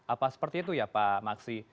apa seperti itu ya pak maksi